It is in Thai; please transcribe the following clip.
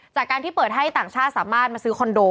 จากการที่เปิดให้ต่างชาติสามารถมาซื้อคอนโด